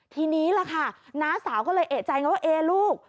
ทีนี้ล่ะค่ะน้าสาวก็เลยเอกใจไงว่าเอ๊ลูก